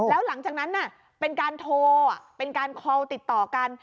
แล้วหลังจากนั้นเป็นการโทรเป็นการคอลติดต่อกัน